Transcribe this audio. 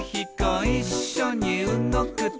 「いっしょにうごくと」